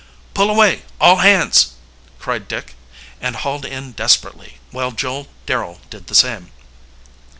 "Pull away, all hands!" cried Dick, and hauled in desperately, while Joel Darrel did the same.